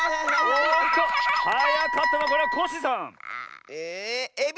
おっとはやかったのはこれはコッシーさん！えエビ！